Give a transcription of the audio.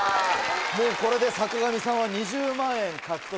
もうこれで坂上さんは２０万円獲得。